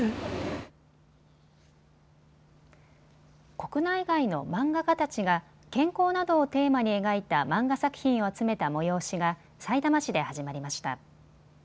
国内外の漫画家たちが健康などをテーマに描いた漫画作品を集めた催しがさいたま市で始まりました。